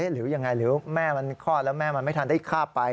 หรือยังไงหรือแม่มันคลอดแล้วแม่มันไม่ทันได้ฆ่าไป